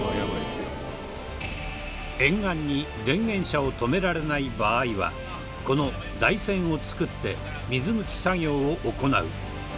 沿岸に電源車を止められない場合はこの台船を作って水抜き作業を行う。